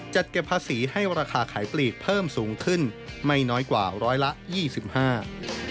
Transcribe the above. จัดเก็บภาษีให้ราคาขายปลีกเพิ่มสูงขึ้นไม่น้อยกว่า๑๒๕ของราคาขายปลีก